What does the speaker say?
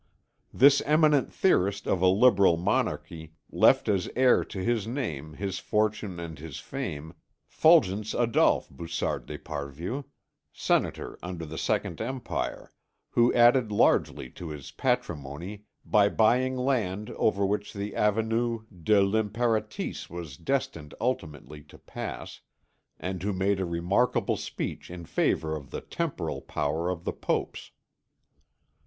This eminent theorist of a Liberal monarchy left as heir to his name his fortune and his fame, Fulgence Adolphe Bussart d'Esparvieu, senator under the Second Empire, who added largely to his patrimony by buying land over which the Avenue de l'Impératice was destined ultimately to pass, and who made a remarkable speech in favour of the temporal power of the popes.